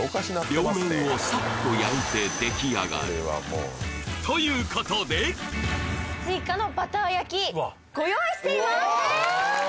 両面をサッと焼いてということでスイカのバター焼きご用意しています！